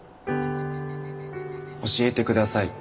教えてください。